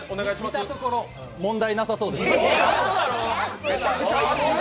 見たところ、問題なさそうです。